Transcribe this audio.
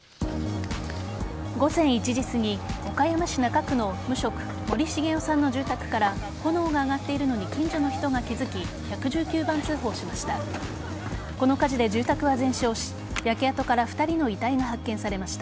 午前１時すぎ岡山市中区の無職森繁夫さんの住宅から炎が上がっているのに近所の人が気づき１１９番通報しました。